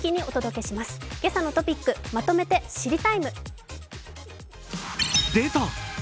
「けさのトピックまとめて知りＴＩＭＥ，」